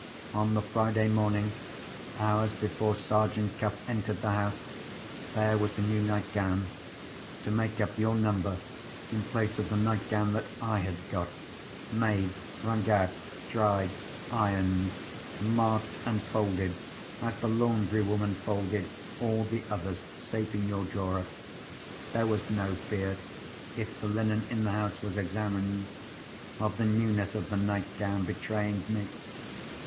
On the Friday morning, hours before Sergeant Cuff entered the house, there was the new nightgown—to make up your number in place of the nightgown that I had got—made, wrung out, dried, ironed, marked, and folded as the laundry woman folded all the others, safe in your drawer. There was no fear (if the linen in the house was examined) of the newness of the nightgown betraying me.